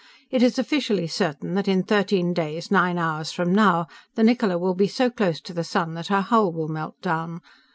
It is officially certain that in thirteen days nine hours from now, the Niccola will be so close to the sun that her hull will melt down.